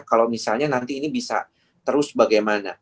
kalau misalnya nanti ini bisa terus bagaimana